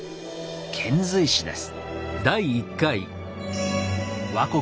「遣隋使」です。